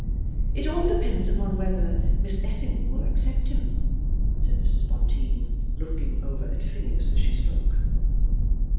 "It all depends upon whether Miss Effingham will accept him," said Mrs. Bonteen, looking over at Phineas as she spoke.